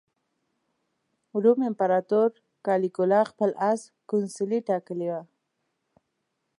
روم امپراطور کالیګولا خپل اس کونسلي ټاکلی و.